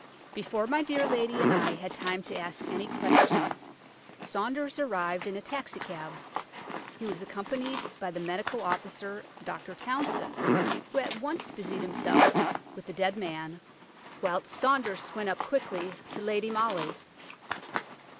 Before my dear lady and I had time to ask any questions, Saunders arrived in a taxicab. He was accompanied by the medical officer, Dr. Townson, who at once busied himself with the dead man, whilst Saunders went up quickly to Lady Molly.